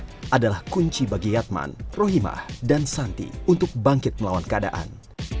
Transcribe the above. ini adalah kunci bagi yatman rohimah dan santi untuk bangkit melawan keadaan